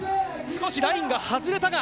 少しラインが外れたか？